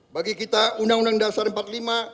bagi kita undang undang dasar